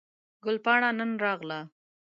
ګل پاڼه نن راغله